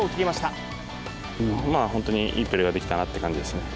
本当にいいプレーができたなって感じですね。